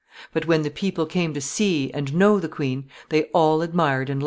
But when the people came to see and know the queen, they all admired and loved her.